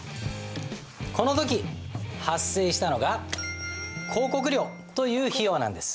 この時発生したのが広告料という費用なんです。